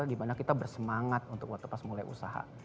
di mana kita bersemangat untuk waktu pas mulai usaha